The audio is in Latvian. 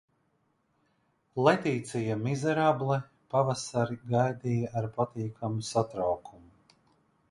Letīcija Mizerable pavasari gaidīja ar patīkamu satraukumu.